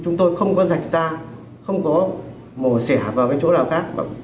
chúng tôi không có rạch ra không có mổ sẻ vào cái chỗ nào khác